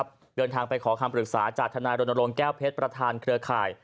เดินทางไปขอคำปรึกษาจากทนายรณรงค์แก้วเพชรประธานเครือข่าย